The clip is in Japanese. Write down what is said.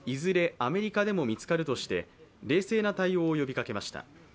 アメリカでも見つかるとして冷静な対応を呼びかけました。